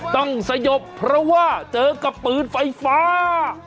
สยบเพราะว่าเจอกับปืนไฟฟ้า